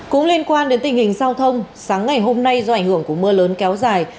cũng liên quan đến tình hình giao thông sáng ngày hôm nay do ảnh hưởng của mưa lớn kéo dài